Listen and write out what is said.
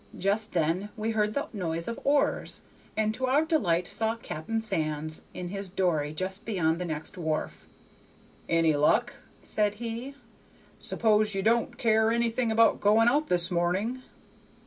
Just then we heard the noise of oars, and to our delight saw Cap'n Sands in his dory just beyond the next wharf. "Any luck?" said he. "S'pose ye don't care anything about going out this morning?"